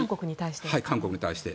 韓国に対して。